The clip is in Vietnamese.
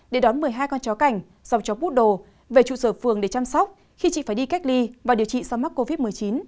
để đón một mươi hai con chó cảnh dòng cháu bút đồ về trụ sở phường để chăm sóc khi chị phải đi cách ly và điều trị sau mắc covid một mươi chín